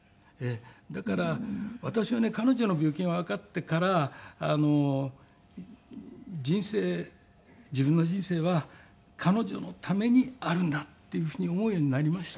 だから私はね彼女の病気がわかってから人生自分の人生は彼女のためにあるんだっていうふうに思うようになりました。